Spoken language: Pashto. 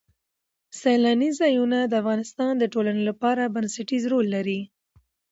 سیلانی ځایونه د افغانستان د ټولنې لپاره بنسټيز رول لري.